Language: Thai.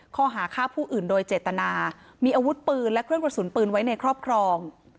ข้อหาฆ่าผู้อื่นโดยเจตนามีอาวุธปืนและเครื่องกระสุนปืนไว้ในครอบครอง